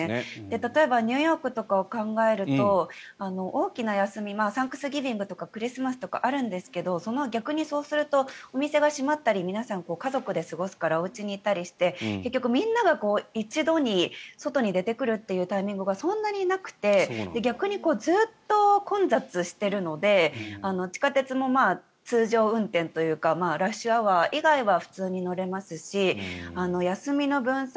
例えばニューヨークとかを考えると大きな休みサンクスギビングとかクリスマスとかあるんですが逆に、そうするとお店が閉まったり皆さん家族で過ごすからおうちにいたりして結局、みんなが一度に外に出てくるというタイミングがそんなになくて逆にずっと混雑しているので地下鉄も通常運転というかラッシュアワー以外は普通に乗れますし休みの分散